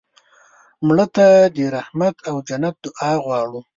مړه ته د رحمت او جنت دعا غواړو